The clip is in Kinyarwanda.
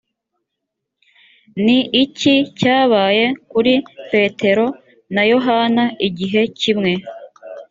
ni iki cyabaye kuri petero na yohana igihe kimwe?